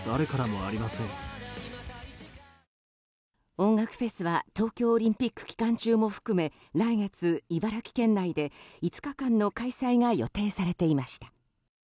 音楽フェスは東京オリンピック期間中も含め来月、茨城県内で５日間の開催が予定されていました。